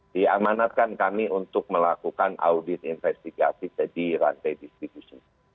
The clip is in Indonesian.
diamanatkan kami untuk melakukan audit investigasi jadi rantai distribusi